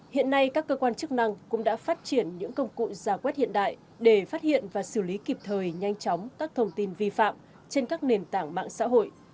hiện nay các cơ quan chức năng cũng đã phát triển những công cụ giả quét hiện đại để phát hiện và xử lý kịp thời nhanh chóng các thông tin vi phạm trên các nền tảng mạng xã hội